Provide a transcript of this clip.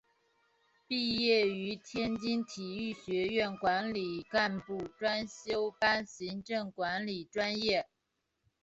毕业于天津体育学院管理干部专修班行政管理专业。